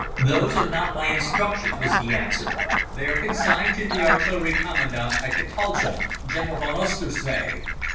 "Those are not my instructions," was the answer. "They are consigned to the Artillery commandant at Chataldja, General von Oesterzee."